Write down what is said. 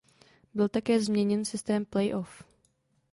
Byl také změněn systém play off.